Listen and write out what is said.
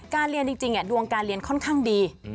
เรียนจริงดวงการเรียนค่อนข้างดี